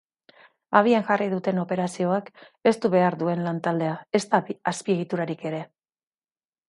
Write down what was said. Abian jarri duten operazioak ez du behar duen lan-taldea, ezta azpiegiturarik ere.